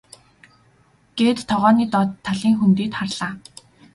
гээд тогооны доод талын хөндийд харлаа.